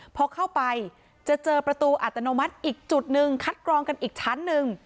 พอเข้าไปจะเจอประตูอัตโนมัติอีกจุดหนึ่งคัดกรองกันอีกชั้นหนึ่ง